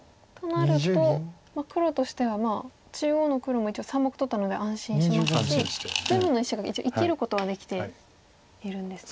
となると黒としては中央の黒も一応３目取ったので安心しましたし全部の石が一応生きることはできているんですね。